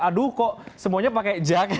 aduh kok semuanya pakai jak